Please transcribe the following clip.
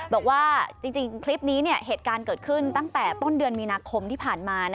บอกว่าจริงคลิปนี้เหตุการณ์เกิดขึ้นตั้งแต่ต้นเดือนมีนาคมที่ผ่านมา